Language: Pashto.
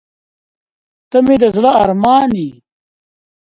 • ته مې د زړه ارمان یې.